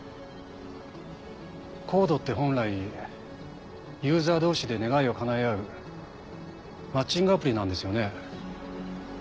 ＣＯＤＥって本来ユーザー同士で願いを叶え合うマッチングアプリなんですよね？